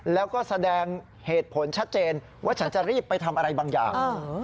แล้วก็แสดงเหตุผลชัดเจนว่าฉันจะรีบไปทำอะไรบางอย่าง